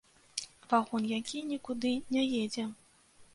Вагон, які нікуды не едзе.